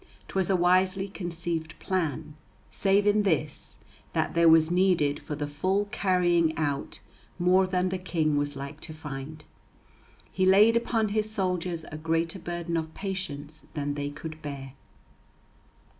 'Twas a wisely conceived plan, save in this that there was needed for the full carrying out more than the King was like to find. He laid upon his soldiers a greater burden of patience than they could bear.